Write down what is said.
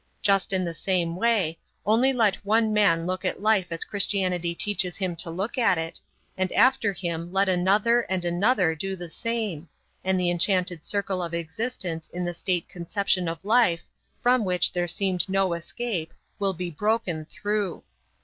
Just in the same way, only let one man look at life as Christianity teaches him to look at it, and after him let another and another do the same, and the enchanted circle of existence in the state conception of life, from which there seemed no escape, will be broken through.